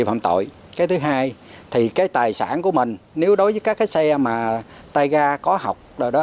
phạm tội cái thứ hai thì cái tài sản của mình nếu đối với các cái xe mà tay ga có học rồi đó